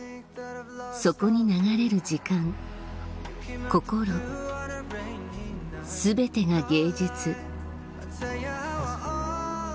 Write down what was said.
そこに流れる時間心全てが芸術どうぞ。